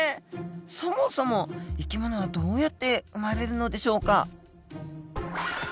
そもそも生き物はどうやって生まれるのでしょうか？